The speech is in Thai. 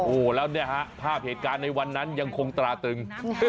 โอ้โหแล้วเนี่ยฮะภาพเหตุการณ์ในวันนั้นยังคงตราตึง